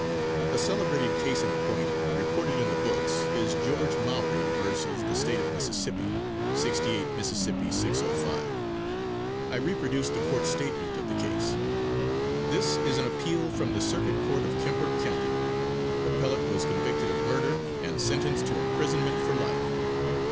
A celebrated case in point reported in the books is, George Maury vs. The State of Miss., 68 Miss. 605. I reproduce the court's statement of the case: "This is an appeal from the Circuit Court of Kemper County. Appellant was convicted of murder and sentenced to imprisonment for life.